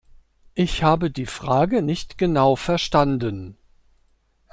Ich habe die Frage nicht genau verstanden.